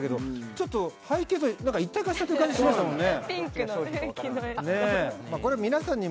ちょっと背景と一体化しちゃってる感じしますもんね。